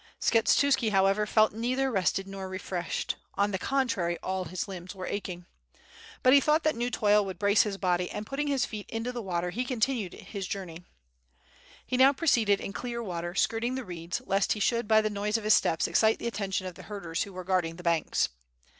Skshetuski however, felt neither rested nor refreshed; on the contrary all his limbs were aching. But he thought that new toil would brace his body, and putting his feet into the water he continued his journey. He now proceeded in clear water skirting the reeds, lest he should by the noise of his steps excite the attention of the herders who were guarding the banks.